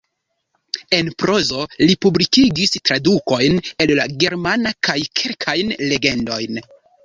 En prozo li publikigis tradukojn el la germana kaj kelkajn legendojn.